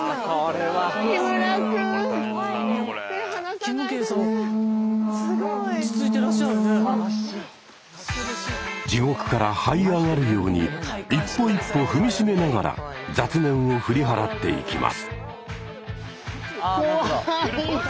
木村くん地獄からはい上がるように一歩一歩踏み締めながら雑念を振り払っていきます。